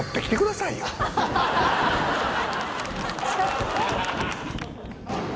「ちょっとね」